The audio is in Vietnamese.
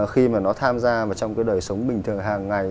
khi mà nó tham gia vào trong cái đời sống bình thường hàng ngày